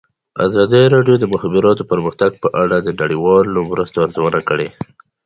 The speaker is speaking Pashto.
ازادي راډیو د د مخابراتو پرمختګ په اړه د نړیوالو مرستو ارزونه کړې.